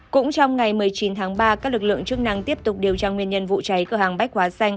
cũng trong ngày một mươi chín tháng ba các lực lượng chức năng tiếp tục điều tra nguyên nhân vụ cháy cửa hàng bách hóa xanh